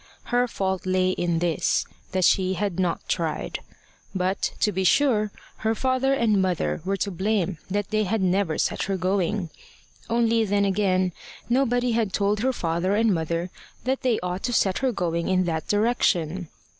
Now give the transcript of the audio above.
Her fault lay in this, that she had not tried. But, to be sure, her father and mother were to blame that they had never set her going. Only then again, nobody had told her father and mother that they ought to set her going in that direction.